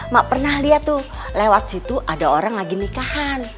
mak pernah lihat tuh lewat situ ada orang lagi nikahan